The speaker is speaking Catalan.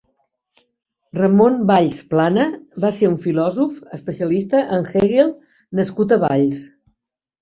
Ramón Valls Plana va ser un filòsof especialista en Hegel nascut a Valls.